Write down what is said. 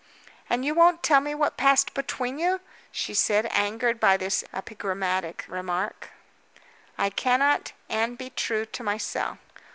"And you won't tell me what passed between you?" she said, angered by this epigrammatic remark. "I cannot and be true to myself."